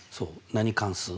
何関数？